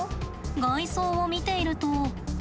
外装を見ていると。